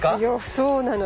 そうなの。